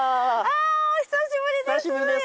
お久しぶりです！